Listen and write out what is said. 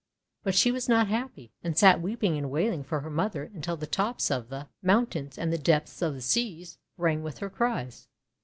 But she was not happy, and sat weeping and wailing for her mother until the tops of the HUNDRED HEADED DAFFODIL 427 mountains and the depths of the seas rang with her cries.